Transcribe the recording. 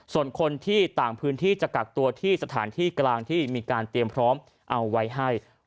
ส่วนคนที่ต่างพื้นที่จะกักตัวที่สถานที่กลางที่มีการเตรียมพร้อมเอาไว้ให้